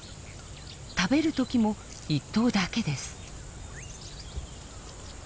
食べるときも１頭だけです。